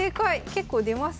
結構出ますね。